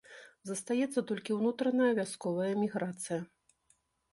Застаецца толькі ўнутраная, вясковая эміграцыя.